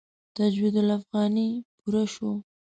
تجوید الافغاني پوره شو.